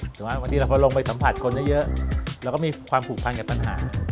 หรือว่าบางทีเราก็ลงไปสัมผัสคนเยอะเราก็มีความผูกพันกับปัญหา